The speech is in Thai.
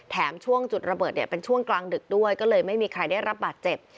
ช่วงจุดระเบิดเนี่ยเป็นช่วงกลางดึกด้วยก็เลยไม่มีใครได้รับบาดเจ็บ